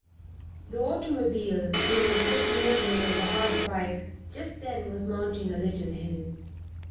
The automobile, wheeling so smoothly over the hard pike, just then was mounting a little hill.